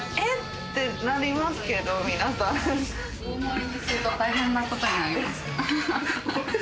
てなりますけど、大盛りにすると大変なことになります。